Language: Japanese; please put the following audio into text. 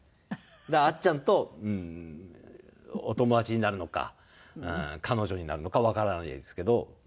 だからあっちゃんとお友達になるのか彼女になるのかわからないですけど。